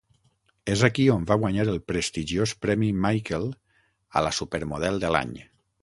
És aquí on va guanyar el prestigiós Premi Michael a la supermodel de l'any.